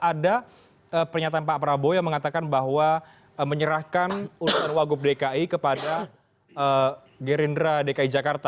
ada pernyataan pak prabowo yang mengatakan bahwa menyerahkan usulan wagub dki kepada gerindra dki jakarta